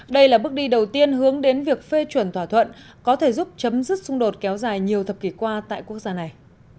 đây là bước đi đầu tiên hướng đến việc phê chuẩn thỏa thuận có thể giúp chấm dứt xung đột kéo dài nhiều thập kỷ qua tại quốc gia này